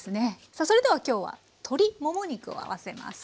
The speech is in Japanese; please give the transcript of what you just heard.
さあそれでは今日は鶏もも肉を合わせます。